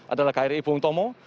adalah krii bung tomo